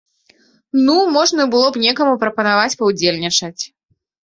Ну, можна было б некаму прапанаваць паўдзельнічаць.